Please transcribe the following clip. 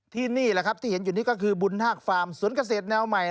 นี่แหละครับที่เห็นอยู่นี่ก็คือบุญฮากฟาร์มสวนเกษตรแนวใหม่